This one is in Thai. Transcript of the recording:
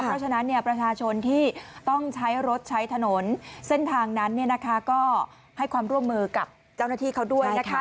เพราะฉะนั้นประชาชนที่ต้องใช้รถใช้ถนนเส้นทางนั้นก็ให้ความร่วมมือกับเจ้าหน้าที่เขาด้วยนะคะ